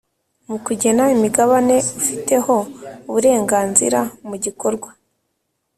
Mu kugena imigabane ufiteho uburenganzira mu gikorwa